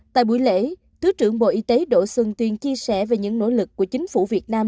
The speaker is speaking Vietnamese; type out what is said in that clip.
tại buổi lễ thứ trưởng bộ y tế đỗ xuân tuyên chia sẻ về những nỗ lực của chính phủ việt nam